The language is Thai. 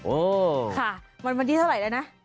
โอ้ค่ะวันวันที่เท่าไหร่แล้วนะ